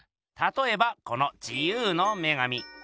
たとえばこの自由の女神。